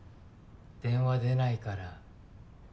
電話出ないから。